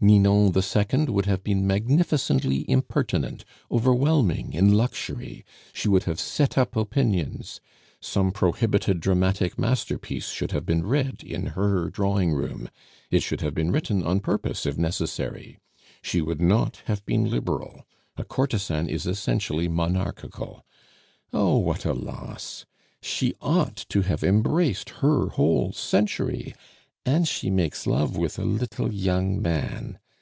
Ninon the second would have been magnificently impertinent, overwhelming in luxury. She would have set up opinions. Some prohibited dramatic masterpiece should have been read in her drawing room; it should have been written on purpose if necessary. She would not have been liberal; a courtesan is essentially monarchical. Oh, what a loss! She ought to have embraced her whole century, and she makes love with a little young man!